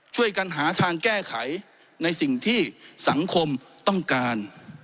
ช่วยกันหาทางแก้ไขในสิ่งที่สังคมต้องการ